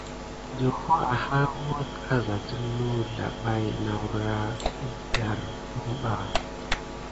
Ɗohô áháre wuka à sa telu zlabaki nakure gedar kuba.